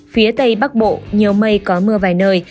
phía tây bắc bộ nhiều mây có mưa vài nơi